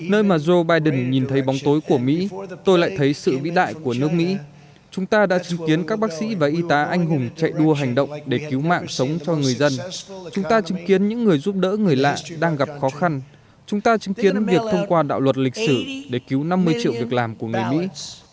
nơi mà joe biden nhìn thấy bóng tối của mỹ tôi lại thấy sự vĩ đại của nước mỹ chúng ta đã chứng kiến các bác sĩ và y tá anh hùng chạy đua hành động để cứu mạng sống cho người dân chúng ta chứng kiến những người giúp đỡ người lạ đang gặp khó khăn chúng ta chứng kiến việc thông qua đạo luật lịch sử để cứu năm mươi triệu việc làm của người mỹ